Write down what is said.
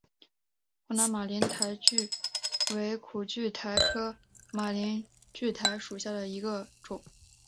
湖南马铃苣苔为苦苣苔科马铃苣苔属下的一个种。